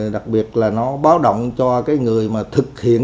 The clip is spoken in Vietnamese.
đặc biệt là nó báo động cho cái người mà thực hiện